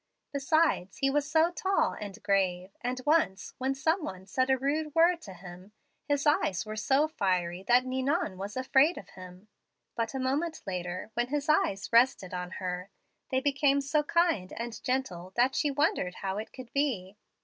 Besides, he was so tall and grave; and once, when some one said a rude word to him, his eyes were so fiery that Ninon was afraid of him. But a moment later, when his eyes rested on her, they became so kind and gentle that she wondered how it could be.